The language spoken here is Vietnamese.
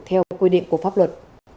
theo quy định của pháp luật